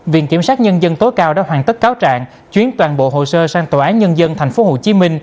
viện kiểm sát nhân dân tối cao đã hoàn tất cáo trạng chuyến toàn bộ hồ sơ sang tòa án nhân dân tp hcm